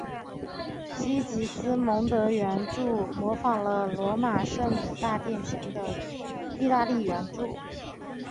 西吉斯蒙德圆柱模仿了罗马圣母大殿前的意大利圆柱。